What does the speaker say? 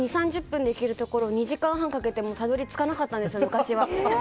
本当に２０３０分で行けるところを２時間半かけてもたどり着かなかったんです、昔は。